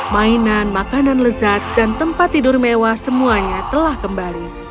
mainan makanan lezat dan tempat tidur mewah semuanya telah kembali